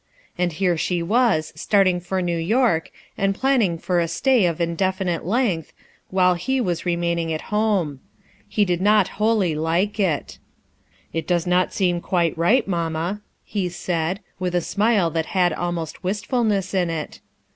And here she was, starting for New York, and planning for a stay of indefinite length, while he was remaining at home He did not wholly like it, "It does not seem quite right, mamma/' he said, with a smile that had almost wilfulness in it.